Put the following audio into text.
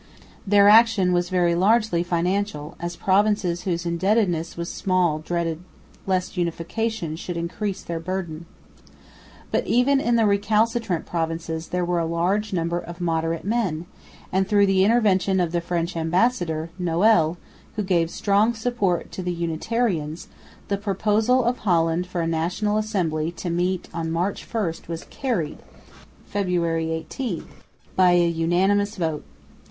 Their action was very largely financial, as provinces whose indebtedness was small dreaded lest unification should increase their burden. But even in the recalcitrant provinces there were a large number of moderate men; and through the intervention of the French ambassador, Nöel, who gave strong support to the Unitarians, the proposal of Holland for a National Assembly to meet on March 1 was carried (February 18) by a unanimous vote.